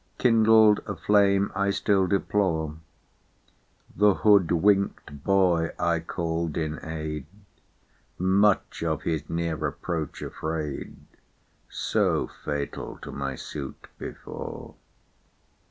Kindled a flame I fHU deplore ; The hood wink*d boy I caii'd in aid, Much of his near approach afraid. So fatal to my fuit before.